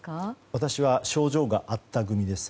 私は症状があった組です。